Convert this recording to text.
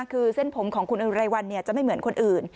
คือเส้นผมของคุณอุไรวันจะไม่เหมือนคนอื่น